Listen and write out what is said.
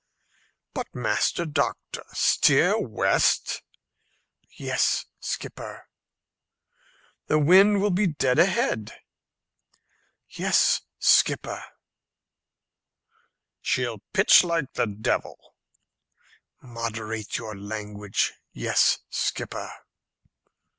"But, Master Doctor, steer west?" "Yes, skipper." "The wind will be dead ahead." "Yes, skipper." "She'll pitch like the devil." "Moderate your language. Yes, skipper."